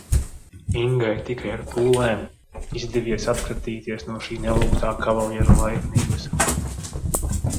Ingai tikai ar pūlēm izdevies atkratīties no šī nelūgtā kavaliera laipnības.